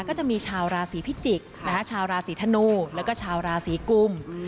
ก็จะมีชาวราศีพิจิกษ์ชาวราศีธนูแล้วก็ชาวราศีกุม